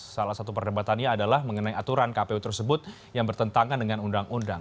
salah satu perdebatannya adalah mengenai aturan kpu tersebut yang bertentangan dengan undang undang